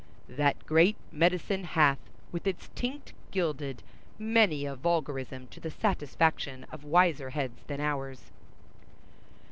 That great medicine hath With its tinct gilded— many a vulgarism to the satisfaction of wiser heads than ours.